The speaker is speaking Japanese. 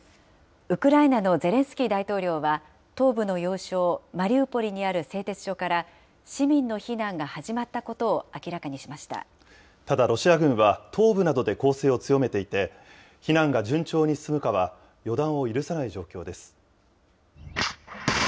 ウクライナのゼレンスキー大統領は、東部の要衝マリウポリにある製鉄所から、市民の避難が始まっただ、ロシア軍は東部などで攻勢を強めていて、避難が順調に進むかは予断を許さない状況です。